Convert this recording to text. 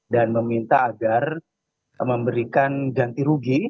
dan meminta agar memberikan ganti rugi